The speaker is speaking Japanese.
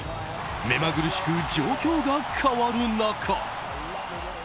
目まぐるしく状況が変わる中。